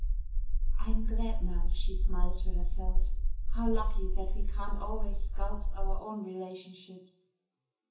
"I'm glad now," she smiled to herself, "how lucky that we can't always sculpt our own relationships."